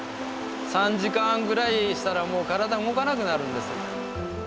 ３時間ぐらいしたらもう体動かなくなるんです。